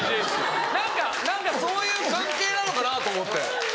何かそういう関係なのかなと思って。